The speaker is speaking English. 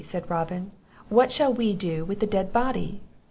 said Robin, 'what shall we do with the dead body?